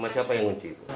siapa yang menguji